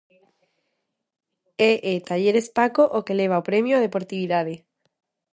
E é Talleres Paco o que leva o premio á deportividade.